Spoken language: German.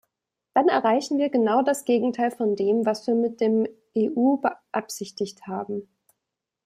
Dann erreichen wir genau das Gegenteil von dem, was wir mit dem Eubeabsichtigt haben.